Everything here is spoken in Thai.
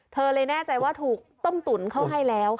เธอเลยแน่ใจว่าถูกต้มตุ๋นเข้าให้แล้ว